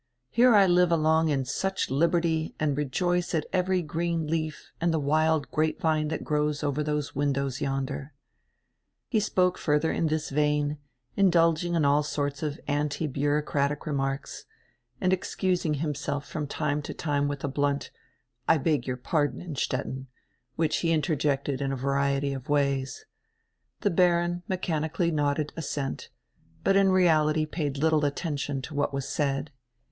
Here I live along in such liberty and rejoice at every green leaf and the wild grape vine that grows over those windows yonder." He spoke further in this vein, indulging in all sorts of anti bureaucratic remarks, and excusing himself from time to time with a blunt "I beg your pardon, Innstetten," which he interjected in a variety of ways. The Baron mechan ically nodded assent, but in reality paid little attention to what was said.